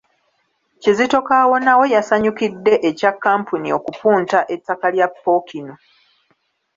Kizito Kawonawo yasanyukidde ekya kkampuni okupunta ettaka lya Pookino.